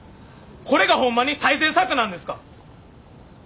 これがホンマに最善策なんですか？